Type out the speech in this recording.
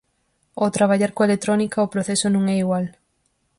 Ao traballar coa electrónica, o proceso non é igual.